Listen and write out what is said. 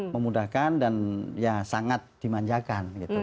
memudahkan dan ya sangat dimanjakan gitu